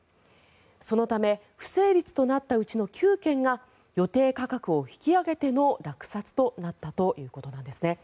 そのため不成立となったうちの９件が予定価格を引き上げての落札となったということなんですね。